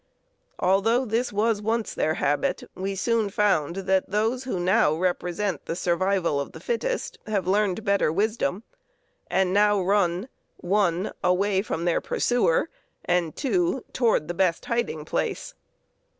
Although this was once their habit, we soon found that those who now represent the survival of the fittest have learned better wisdom, and now run (1) away from their pursuer and (2) toward the best hiding place.